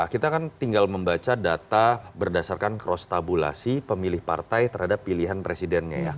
kita kan tinggal membaca data berdasarkan cross tabulasi pemilih partai terhadap pilihan presidennya ya